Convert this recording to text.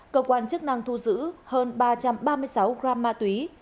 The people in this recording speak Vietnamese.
cơ quan chức năng thu giữ hơn ba trăm ba mươi sáu gram ma túy